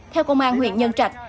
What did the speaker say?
theo công an huyện nhân trạch